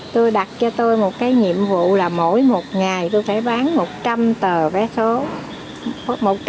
tôi đặt cho tôi một cái nhiệm vụ là mỗi một ngày tôi phải bán một trăm linh tờ vé số